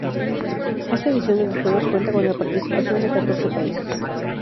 Esta edición de los juegos cuenta con la participación de catorce países.